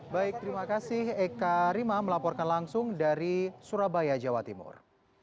baik terima kasih eka rima melaporkan langsung dari surabaya jawa timur